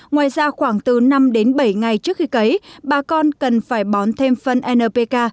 ngoài ra khoảng từ năm đến bảy ngày trước khi cấy bà con cần phải bón thêm phân npk